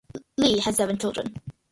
Li had seven children.